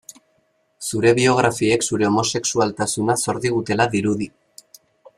Zure biografiek zure homosexualtasuna zor digutela dirudi.